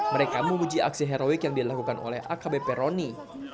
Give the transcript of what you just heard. mereka memuji aksi heroik yang dilakukan oleh akb peroni